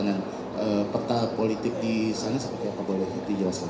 dan peta politik disana seperti apa boleh dijelaskan